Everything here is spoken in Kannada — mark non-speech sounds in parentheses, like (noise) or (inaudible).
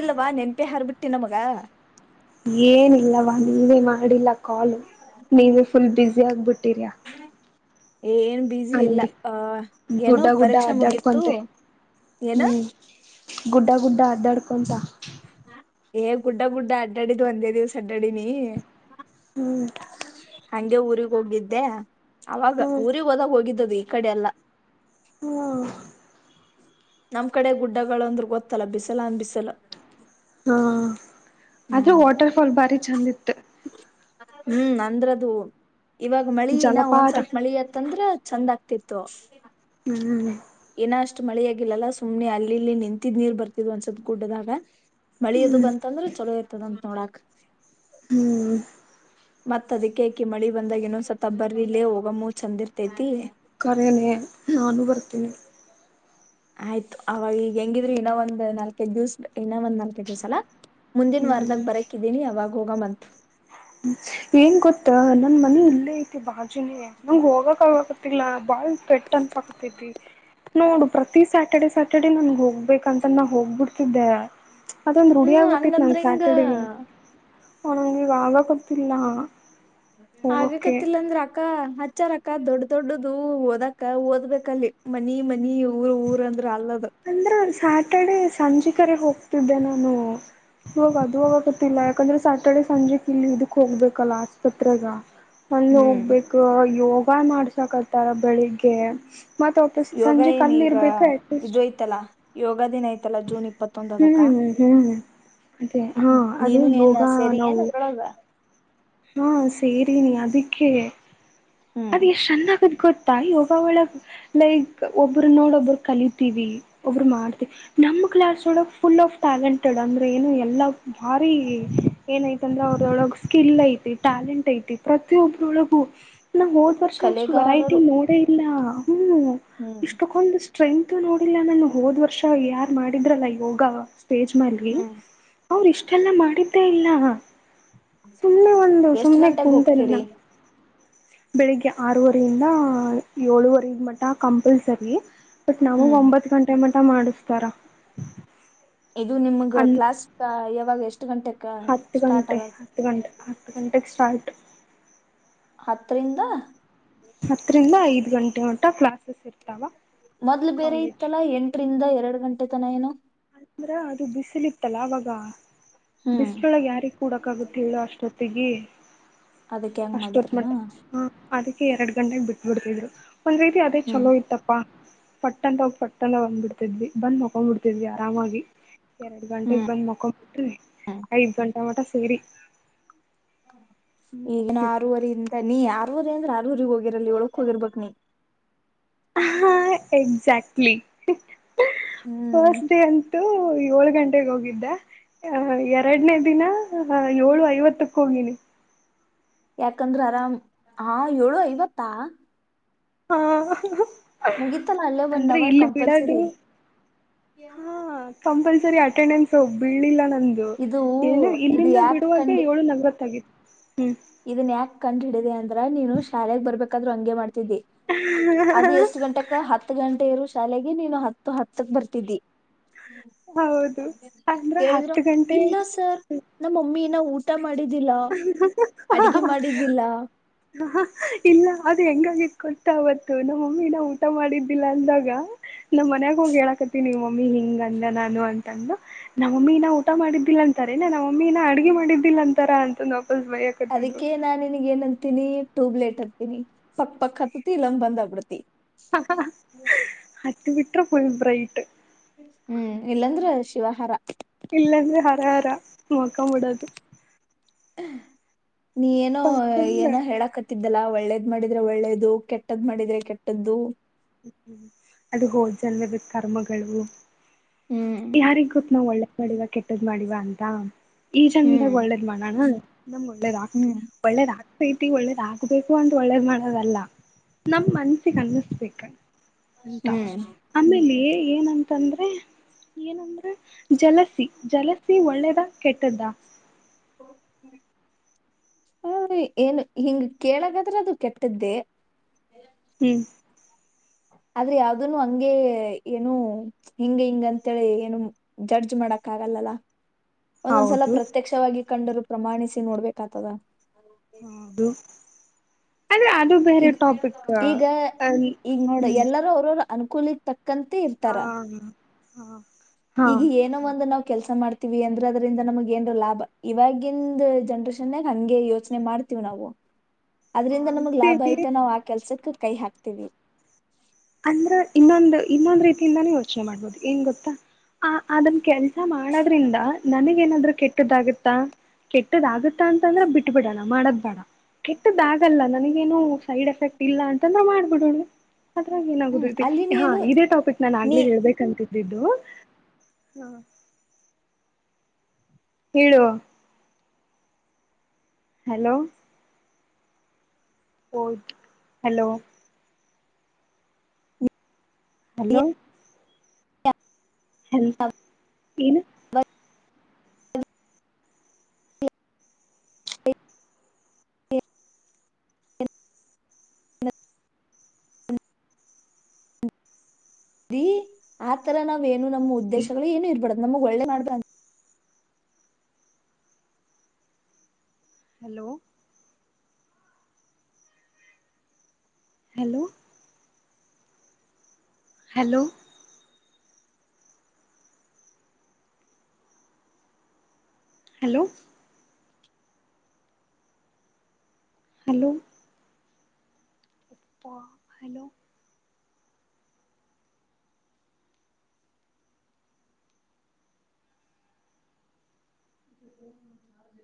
ಇಲ್ವಾ ನೆನ್ಪೆ ಹರ್ಬಿಟ್ಟ ಹಾರಿ ಬಿಟ್ಟಿ ನಮಗೆ ಏನಿಲ್ಲವಾ ನೀವೇ ಮಾಡಿಲ್ಲ ಕಾಲು ನೀವ ಫುಲ್ ಬಿಜಿ ಆಗಿ ಬಿಟ್ಟೀರಿಯಾ ಏ ಏನ್ ಬಸಿ ಇಲ್ಲ ಅ ಏನು ಗುಡ್ಡ ಗುಡ್ಡ ಪರೀಕ್ಷಾ ಮುಗಿತ್ತು ಅಡ್ಡಾಡ್ಕೊಂತೆ ಏನು ಗುಡ್ಡಾ ಗುಡ್ಡಾ ಧಡಕೊಂಡಂತ ಏ ಗುಡ್ಡ ಗುಡ್ಡ ಅಡ್ಡಾಡಿದ್ ಒಂದೇ ದಿವ್ಸ ಅಡ್ಡಾಡಿನಿ ಹ್ಮ್ ಹಂಗೆ ಊಗ್ ಹೋಗಿದ್ದೆ ಅವಾಗ ಹ್ಮ್ ಊರಿಗೆ ಹೋದಾಗ ಹೋಗಿದ್ದ ಈ ಕಡೆ ಎಲ್ಲ ಹ್ಮ್ ನಮ್ ಕಡೆ ಗುಡ್ಡಗಳು ಅಂದ್ರ ಗೊತ್ತಲ್ಲ ಬಿಸಲ ಅನ್ ಬಿಸಲ ಅದ ಹ್ಮ್ ವಾಟರ್ ಫಾಲ್ ಬಾರಿ ಚಂದಿತ್ತು ಹ್ಮ್ ಅಂದ್ರದು ಇವಾಗ ಮಳಿ ನಾವ ಒಂದ್ ಜಲಪಾತ ಸ್ವಲ್ಪ ಮಳಿ ಆತ್ತಂದ್ರ ಚೆಂದ ಆಗ್ತಿತ್ತು ಹ್ಮ್್ಮ ಏನ ಅಷ್ಟು ಮಳೆಯಾಗಿಲ್ಲಲ್ಲ ಸುಮ್ನೆ ಅಲ್ಲಿಲ್ಲಿ ನಿಂತಿದ್ದ್ ನೀರ್ ಬರ್ತಿದ್ು ಅನ್ಸದ್ ಗುಡ್ಡದಾಗ ಮಳಿ ಅದು ಬಂತಂದ್ರೆ ಚಲೋ ಇರ್ತದಂತ ನೋಡಾಕ್ ಹ್ಮ್ ಮತ್ ಅದಕ್ಕೆಕಿ ಮಳಿ ಬಂದಾಗ ಇನ್ನೊಂದ್ಸವತ ಬರೀಲೇ ಹೋಗ ಮೂ ಚೆಂದ ಇರ್ತೈತಿ ಕೇನೆ ಅನು ಬರ್ತ ತಿನ್ನ ಆಯ್ತು ಅವಾಗ ಈಗ ಹೆಂಗಿದ್ರರು ಇನ್ನೊ ಒಂದ್ ನಾಲ್ಕೈದ್ದಿವ್ಸ ಇನ್ನೊ ಒಂದ್ ನಾಲ್ಕೈದ್ದಿವ್ಸ ಅಲ್ಲಾ ಮುಂದಿನ ಹ್ಮ್ ವಾರದಾಗ ಬರಕಿದ್ದೀನಿ ಅವವಾಗ ಹೋಗ ಅಂತ. ಏನ್ ಗೊತ್ತ ನನ್ ಮನ ಇಲ್ಲೇ ಐತಿ ಬಾಜನೇ ನಂಗ್ ಹೋಗಕ. ಗೊತ್ತಲ ಬಾಲ್ ತಟ್ ಅನ್ಸಕತೈತಿ. ನೋಡು ಪ್ರತಿ ಸ್ಯಾಟರ್ಡೆ ಸಟರ್ಡೆ ನನ್ಗೆ ಹೋಗ್ಬೇಕಂತ ನಾ ಹೋಗ್ಬಿಡ್ತಿದ್ದೆ. ಅದೊಂದು ರೆಡಿ ಹ್ಮ್ ಆಗ್ಬಿಟ್ಟಿತ್ತು ನನ್ ಹಂಗಂದ್ರ ಹಿಂಗ ಸ್ಯಾಟರ್ಡಗ. ಹಗೆ ಬ. ಕೊತಿಲ್ಲಾ. ಆಗ ಕತ್ತಿಲ್ಲ ಅಂದ್ರ ಅಕ್ಕ. ಹಚ್ಚಾರಕ್ಕ ದೊಡ್ ದೊಡ್ಡದು ಓದಕ್ಕ ಓದ್ಬೇಕಲ್ಲಿ ಮನಿ ಮನಿ. ಊರು ಊರ ಅಂದ್ರೆ ಅಲ್ಲದ. ಸ್ಯಾಟರ್ಡೆೇ ಸಂಜೆ ಕರೆ ಹೋಗ್ತಿದ್ದೆ ನಾನು ಇವಾಗ ಅದು ಹೋಗಗತ್ತಿಲ್ಲ ಯಾಕಂದ್ರೆ ಸ್ಯಾಟರ್ಡೆ ಸಂಜೆಕ್ ಇಲ್ಲಿ ಇದಕ್ ಹೋಗ್ಬೇಕಲ್ಲ ಆಸ್ಪತ್ರೆಗ. ಅಲ್ಲಿ ಹ್ಮ್ ಹೋಗ್ಬೇಕ ಯೋಗ. ಉಪಾಯ ಮಾಡ್ಸಕತ್ತಾರ ಬೆಳಿಗ್ಗೆ. ಮತ್ತಾತ ಸಂಜೆ. ನ್ ಈಗ ಇದು ಯ್ತಲ್ಲಾ. ಯೋಗ ದಿನ. ಐತಲ್ಲಾ ಜೂನ್ ಇಪ್ಪತ್ತೊಂದ ಹ್ಮ್ ಅದಕ್ಕ ಹ್ಮ್ ಹ್ಮ್ ಹ್ಮ್ ಅದೇ ಹಾ ಅದೇ ನೀನು ಏನ್ ಯೋಗ ಸೇರಿ ಏನ್ ನಾವು. ಅದ್ರೊಳಗ ಹಾ ಸೇರಿ ನೀ ಅದಕ್ಕೆ. ಹ್ಮ್ ಅದ ಎಷ್ಟ ಚೆನ್ನಾಗ. ಗೊತ್ತಾಯ ಯೋಗ ಒಳಗ ಲೈಕ್ ಒಬ್ಬರು ನೋಡ ಒಬ್ಬರು ಕಲಿತೀವಿ ಒಬ್ಬರು ಮಾಡ್ತಿವಿ ನಮ ಕ್ಲಾಸ್ ಒಳಗ ಫುಲ್ ಆಫ್ ಟ್ಯಾಲೆಂಟೆಡ್ ಅಂದ್ರೆ ಏನು ಎಲ್ಲ ಭಾರಿ ಏನಐತಿ ಅಂದ್ರೆ ಅವ್ರೊಳಗೆ ಸ್ಕಿಲ್ ಐತಿ ಟ್ಯಾಲೆಂಟ್ ಐತಿ ಪ್ರತಿಯೊಬ್ರೊಳಗು. ನಾ ಹೋದ್ ವರ್ಷ ಇಷ್ಟು ವೆರೈಟಿ ಕಲೆಗಾರರು ನೋಡೇ ಇಲ್ಲ. ಹ್ಮ್ ಹ್ಮ್ ಇಷ್ಟುಕೊಂಡ ಸ್ಟ್ರೈನ್. ಇತ್ತು ನೋಡಿಲ್ಲ ನಾನು ಹೋದ್ ವರ್ಷ ಯಾರ್ ಮಾಡಿದ್ರಲ್ಲ ಯೋಗ. ಪೇಜ್ ಮಾಡಲಿ. ಹ್ಮ್ ಅವ್ರು ಇಷ್ಟೆಲ್ಲ ಮಾಡಿದ್ದೇ ಇಲ್ಲ. ಸುಮ್ನೆ ಒಂದು ಎಷ್ಟ್ ಸುಮ್ನೆ ಗಂಟೆಗ್ ಕುಂತನ. ಹೋಗ್ತೀರಿ? ಬೆಳಿಗ್ಗೆ ಆರೂವರಿಯಿಂದ ಏಳುವರೆ ಮಟ್ಟ ಕಂಪಲ್ಸರಿ. ನಾವು ಹ್ಮ್ ಒಂಬತ್ತು ಗಂಟೆ. ಅತ ಮಾಡಿಸ್ತಾರ. ಇದು ನಿಮಗ್ ಅನ್ ಕ್ಲಾಸ್. ಇಾಗ ಎಷ್ಟು. ಹತ್ತು ಗಂಟೆ ಹತ್ತು ಗಂಟೆ ಹತ್ತು ಗಂಟೆಗೆ ಸ್ಟಾರ್ಟ್. ಹತ್ತ ರಿಂದ. ಹತ್ತರಿಂದ ಐದ್ ಗಂಟೆ ಮಟ ಕ್ಲಾಸ್ ಮೊದ್ಲು ಬೇರೆ ಇತ್ತಲಾ ಎಂಟರಿಂದ ಎರಡು ಗಂಟೆ ತನ ಏನು ಅಂದ್ರ ಅದು ಬಿಸಿಲ ಇತ್ತಲಾ ಅವಾಗ ಹ್ಮ್ ಬಿಸ್ರೊಳಗೆ ಯಾರಿಗೆ ಕೂಡಕ ಆಗತ್ ಹೇಳು ಅಷ್ಟೊತ್ತಿಗೆ ಅದಕ್ಕೆ ಹಂಗ ಅಷ್ಟೊತ್ ಮಟ್ಟ ಮಾಡಿದ್ರನಾ ಹ ಅದಕ್ಕೆ ಎರಡು ಗಂಟೆಗೆ ಬಿಟ್ಬಿಡ್ತಿದ್ರು ಒಂದ್ ರೀತಿ ಅದೇ ಹ್ಮ್ ಚಲೋ ಇತ್ತಪ್ಪಾ ಪಟ್ಟಂತ ಹೋಗ ಪಟ್ಟ ಅ ಬಂದ ಬಿಡ್ತಿದ್ವಿ ಬಂದ್ ಮಕೊಂಡ್ಬ ಬಿಡ್ತವಿ ವಿ ಆರಾಮಾಗಿ ಎರಡ್ ಗಂಟೆಗೆ ಬಂದ್ ಮಕೊಂಡಬಿಟ್ರಿ ಐದ್ ಗಂಟೆಗೆ (unintelligible) ಈಗ ನ ಆರೂವರೆ ಇಂದ ನೀ ಹೋದ ಅಂದ್ರೆ ಆರೂ ಹೋಗಿರಲಿ ಏಳಕ್ ಹೋಗಿರ್ಬೇಕಕ್ ನೀ ಹ ಎಕ್ಸಾಕ್ಟ್ಲಿ ಹ್ಮ್ ಫಸ್ಟ್ ಡೇ ಅಂತು ಏಳ ಹತ್ತು, ಗಂಟೆಗೆ ಹೋಗಿದ್ದ ಆಹ ಎರಡನೇ ದಿನ ಏಳು ಐವತ್ತಕ್ಕ ಹೋಗಿನಿ. ಯಾಕಂದ್ರೆ, ಆರಾಮು, ಹಾ ಏಳುಐವತ್ತಾ? ಹಾ, ಹಾಹಾ ಅಲ್ಲೇ ಒಂದ್ ಅಂದ್ರೆ ಅವರ್ ಇಲ್ಲಿ ಬಿಡಿದು, ಕಂಪಲ್ಸರಿ ಹ ಕಂಪಲ್ಸರಿ ಅಟೆಂಡನ್ಸ್ ಹೋಗೂ ಇಲ್ಲಿ ನಂದು. ಇದು ಏನು ಇದು ಇಲ್ಲಿಂದ ಯಾಕ್ ಬಿಡುವಾಗ ಕಂಡ್ ಏಳು ನಲವತ್ತಾಗಿತ್ತು! ಹ್ಮ್ ಇದನ್ ಯಾಕೆ ಕಂಡ್ ಹಿಡಿದೇ! ಅಂದ್ರೆ ನೀನು ಶಾಲೆೆಗೆ ಬರ್ಬೇಕಾದ್ರರು ಹಂಗೆ ಮಾಡ. ಇದೀವಿ, ಅದು ಎಷ್ಟ್ ಗಂಟಕ ಹತ್ತು ಗಂಟೆವರಗು. ಶಾಲೆಗೆ, ನೀನು ಹತ್ತು ಹತ್ತಕ್ ಬರ್ತಿದ್ದಿ? ಹೌದು! ಅಂದ್ರೆ ಕೇಳಿದ್ರು ಹತ್ತು ಗಂಟೆ. ಇನ, ಊಟ, ಮಾ ಮಾಡಿದ್ದಿಲ್ಲ ಅಡ್ಗಿ ಹ, ಮಾಡಿದ್ದಿಲ್ಲ ಹಾಹಾ, ಇಲ್ಲ ಅದೇ. ಹೆಂಗಾಗಿ ಕೊಟ್ಟ ಅವತ್ತು ನಮ್ಮ ಮಮ್ಮಿನ ಊಟ ಮಾಡಿದ್ದಿಲ್ಲ. ಅಂದಾಗ ನಮ್ಮ್ ಮನಯಾಗ ಹೋಗಿ ಹೇಳಕತಿ. ನಿವ ಮಮ್ಮಿ ಹಿಂಗ ಅಂದ ನಾನು ಅಂತಂದು ನಮ್ಮ ಮಮ್ಮಿನ ಊಟ ಮಾಡಿದ್ದಿಲ್ಲ ಅಂತಾರೇನ? ನಮ್ಮ ಮಮ್ಮಿನ ಅಡ್ಗೆ ಮಾಡಿದ್ದಿಲ್ಲ! ಅಂತಾರ ಅಂತ? (unintelligible) ಅದಕ್ಕೆ, ನಾನ್ ನಿನಗೆ, ಏನಂತ. ಹತಿನಿ ಟ್ಯೂಬ್ ಲೈಟ್ ಹತ್ತೀನಿ ಸಾಕ್ ಪಕ್ ಹತ್ತತಿ ಇಲ್ಲಾ ಬಂದ್ಗ್ಬಿಡತಿ! ಹಹಾ, ಹತ್ತು ಬಿಡೂ.. (inaudible) ಪುಲ್, ಬ್ರೈಟ್. (inaudible) ಹ್ಮ್, ಇಲ್ಲಾಂದ್ರೆ ಶಿವಹಾರ. (inaudible) ಇಲ್ಲಂದ್ರೆ, ಹರ, ಹರಾ ಮೊಕ, ಮುಡದು. (unintelligible) (inaudible) (unintelligible) ನೀ, ಏನೋ! ಪಟ್ಟಂದ ಏನ ಹೇಳಕತಿ?.. (inaudible) ಆತಿದ್ದಲ್ಲಾ ಒ, ಳ್ಳೇದ್ ಮಾಡಿದ್ರೆ! ಒಳ್ಳೇದು ಕೆಟ್ಟದ್ ಮಾಡಿದ್ರೆ ಕೆಟ್ಟದ್ದು. (unintelligible) ಹ್ಮ್, ಅದು ಹೋದ್ ಜನ್ಮ ಜನ್ದ ಕರ್ಮಗಳು. ಹ್ಮ್ (inaudible) ಯಾರಿಗ್, ಗೊತ್ ನಾವೂ ಒಲೆಯವರು. (unintelligible) ಮಾಡಿವ, ಕೆಟ್ಟದ್ ಮಾಡಿವ ಅಂತ. (inaudible) ಈಜನ್ದಾಗ, ಹ್ಮ್ ಒಳ್ಳೇದ್ ಮಾಡೋಣ! (inaudible) ನಮ್, ಒಳ್ಳೆದ ಆಗ್ತ! ಹ್ಮ್ ಒಳ್ಳೆದೂ, ಹಾಗುತೈತಿ. (unintelligible) ಒಳ್ಳೇದ ಆಗ್ಬೇಕು ಅಂತ! ಒಳ್ಳೇದ್ ಮಾಡೋದಲ್ಲ ನಮ್ ಮನ್ಸಿಗೆ ಅನ್ನಿಸ್ಬೇಕ? (inaudible) ಉಟ, ಹ್ಮ್ ಆಮೇಲೆ? (inaudible) ಏನುಯಂತ ಅಂದ್ರೆ? ಈ.. (inaudible) ಏನಂದ್ರರೆ.. (inaudible) ಜಲಸಿ, ಜಲಸಿ ಒಳ್ಳೆದಾ. (inaudible) ಕೆಟ್ಟದಾ? (inaudible) ಹ ಏನು ಹಿಂಗ ಕೇಳಗಾದ್ರೆ ಅದು ಕೆಟ್ಟದ್ದೇ ಹ್ಮ್ ಆದ್ರೆ ಯಾವ್ದನು ಹಂಗಗೆ ಏನು ಹಿಂಗ ಹಿಂಗ ಅಂತೇಳಿ ಏನು ಜಡ್ಜ್ ಮಾಡಕ್ ಆಗಲ್ಲಲ್ಲ ಒಂದೊಂದ್ಸಲ ಹೌದು ಪ್ರತ್ಯಕ್ಷವಾಗಿ ಕಂಡರು ಪ್ರಮಾಣಿಸಿ ನೋಡ್ಬೇಕತದ ಹೌದು ಅಂದ್ರೆ ಅದು ಬೇರೆ ಈಗ ಟಾಪಿಕ್ ಈಗ ಈಗ ನೋಡ ಹ್ಮ್ ಎಲ್ಲಾರ ಅವ್ರರು ಅನುಕೂಲ ತಕ್ಕಂತೆ ಹಾ ಇರ್ತಾರ ಹಾ ಹಾ ಈಗ ಏನೋ ಒಂದು ನಾವ್ ಕೆಲ್ಸ ಮಾಡ್ತವಿ ಅಂದ್ರೆ ಅದರಿಿಂದ ನಮಗೆ ಏನ್ ಲಾಭ ಇವಾಗಿಂದ ಜನ್ರೇಷನ್ ಹಂಗೆ ಯೋಚನೆ ಮಾಡ್ತೀವಿ ನಾವು ಅದ್ರಿಂದ ನಮಗ್ ಲಾಭ ಮಾಡ್ತೇವಿ ಐತೆ ನಾವ್ ಆ ಕೆಲ್ಸಕ್ ಕೈ ಹಾಕ್ತೀವಿ ಅಂದ್ರ ಇನ್ನೊಂದು ಇನ್ನೊಂದ್ ರೀತಿಯಿಂದಾನ ಯೋಚನೆ ಮಾಡ್ಬೋದು ಏಂಗ ಗೊತ್ತಾ ಆ ಅದನ್ ಕೆಲ್ಸ ಮಾಡೋದ್ರಿಂದ ನನಗ ಏನಾದ್ೂ ಕೆಟ್ಟದಾಗುತ್ತಾ ಕೆಟ್ಟದಾಗುತ್ತಾ ಅಂತಂದ್ರೆ ಬಿಟ್ಬಿಡಣ ಮಾಡದ್ ಬೇಡ ಕೆಟ್ಟದಾಗಲ್ಲ ನನಗೇನು ಸೈಡ್ ಎಫೆಕ್ಟ್ ಇಲ್ಲ ಅಂತಂದ್ರ ಮಾಡ್ಬಿಡೋಣ ಅದ್ರಾಗ ಹ್ಮ್ ಏನಾಗುದತಿ ಅಲ್ಲಿನ ಹಾ ಏನು ಇದೇ ಟಾಪಿಕ್ ನಾನ ಆಗ್ಲೇ ಹೇಬೇಕಂತ ಜಿ ದ್ದು ಹಾ ಹೇಳುವ ಹಲೋ ಹ ಹಲೋ ಹಲೋ ಹ ಏನು ಹಾ ಆ ತರ ನಾವೇ ನಮ್ಮ ಉದ್ದೇಶಗಳು ಏನು ಇರಬಾರದು ನಮ್ಗ್ ಒಳ್ಳೆ ಮಾಡ್ಬ hello hello hello hello hello hello ಹ (inaudible)